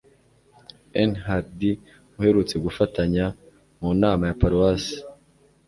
n Hardy aherutse gufatanya mu Nama ya Paruwasi.